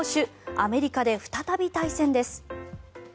アメリカで再び対戦です。